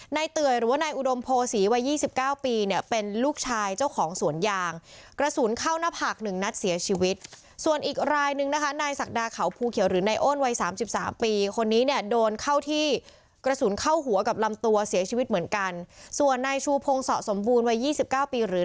เตยหรือว่านายอุดมโพศีวัยยี่สิบเก้าปีเนี่ยเป็นลูกชายเจ้าของสวนยางกระสุนเข้าหน้าผากหนึ่งนัดเสียชีวิตส่วนอีกรายนึงนะคะนายศักดาเขาภูเขียวหรือนายโอนวัยสามสิบสามปีคนนี้เนี่ยโดนเข้าที่กระสุนเข้าหัวกับลำตัวเสียชีวิตเหมือนกันส่วนนายชูพงศะสมบูรณวัยยี่สิบเก้าปีหรือ